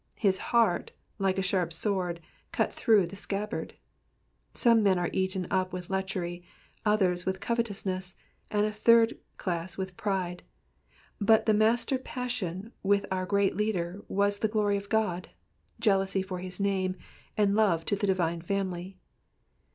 His heart, like a sharp sword, cut through the scabbard. Some men are eaten up with lechery, others with covetousness, and a third class with pride, but the master passion with our great leader was the glory of God, jealousy for his name, and love to the divine family.